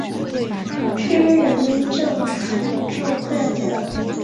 并在精武体育会厦门分会与英华中学教武术。